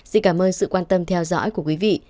xin cảm ơn sự quan tâm theo dõi của quý vị